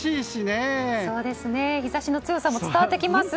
日差しの強さも伝わってきます。